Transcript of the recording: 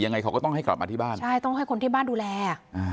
ยังไงเขาก็ต้องให้กลับมาที่บ้านใช่ต้องให้คนที่บ้านดูแลอ่า